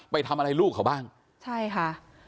ไปทำอะไรลูกเขาบ้างใช่ค่ะ